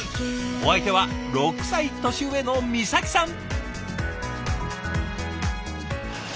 お相手は６歳年上の美咲さん。